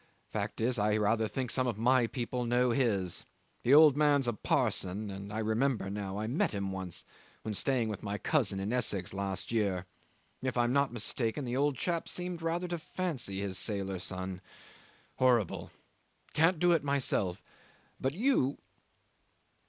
Fact is, I rather think some of my people know his. The old man's a parson, and I remember now I met him once when staying with my cousin in Essex last year. If I am not mistaken, the old chap seemed rather to fancy his sailor son. Horrible. I can't do it myself but you